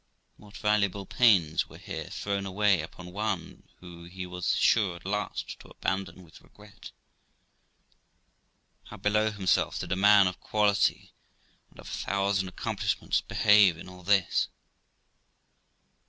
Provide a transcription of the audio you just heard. What valuable pains were here thrown away upon one, who he was sure, at last, to abandon with regret ! How below himself did a man of quality and of a thousand accomplishments behave in all this